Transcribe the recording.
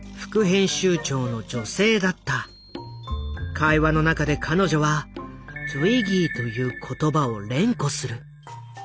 会話の中で彼女は「Ｔｗｉｇｇｙ」という言葉を連呼する。